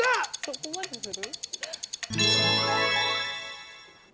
そこまでする？